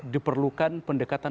diperlukan pendekatan hukum